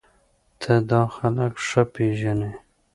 ته دا خلک ښه پېژنې